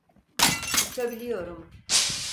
Uçabiliyorum!